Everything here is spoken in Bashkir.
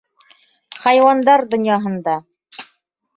Хайуандар донъяһында